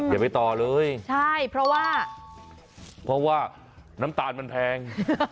อย่าไปต่อเลยเพราะว่าน้ำตาลมันแพง